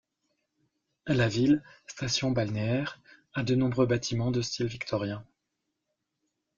La ville, station balnéaire, a de nombreux bâtiments de style victorien.